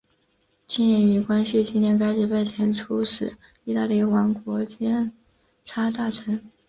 清廷于光绪七年开始派遣出使意大利王国钦差大臣。